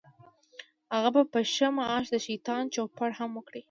هغه به په ښه معاش د شیطان چوپړ هم وکړي.